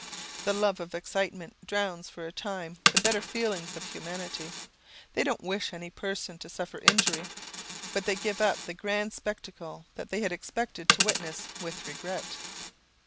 The love of excitement drowns for a time the better feelings of humanity. They don't wish any person to suffer injury; but they give up the grand spectacle they had expected to witness with regret.